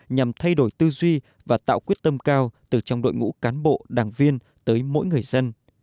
nhằm thay đổi tư duy và tạo quyết tâm cao từ trong đội ngũ cán bộ đảng viên tới mỗi người dân